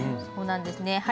そうなんですね。